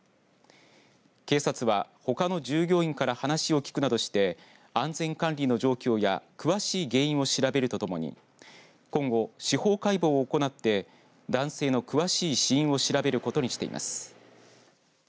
警察は、ほかの従業員から話を聞くなどして安全管理の状況や詳しい原因を調べるとともに今後、司法解剖を行って男性の詳しい死因を調べることにしています。